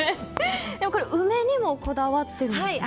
これ、梅にもこだわってるんですよね。